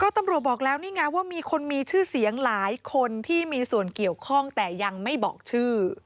ตำรวจบอกแล้วนี่ไงว่ามีคนมีชื่อเสียงหลายคนที่มีส่วนเกี่ยวข้องแต่ยังไม่บอกชื่อ